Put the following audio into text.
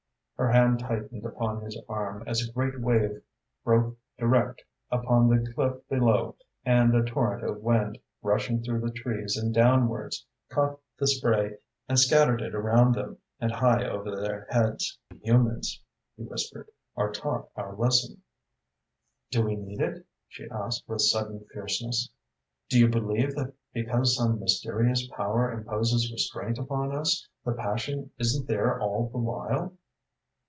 Her hand tightened upon his arm as a great wave broke direct upon the cliff below and a torrent of wind, rushing through the trees and downwards, caught the spray and scattered it around them and high over their heads. "We humans," he whispered, "are taught our lesson." "Do we need it?" she asked, with sudden fierceness. "Do you believe that because some mysterious power imposes restraint upon us, the passion isn't there all the while?"